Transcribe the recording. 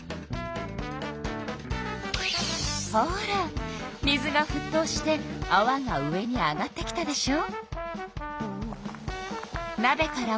ほら水がふっとうしてあわが上に上がってきたでしょう？